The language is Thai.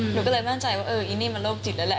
หนูก็เลยมั่นใจว่าเอออีนี่มันโรคจิตนั่นแหละ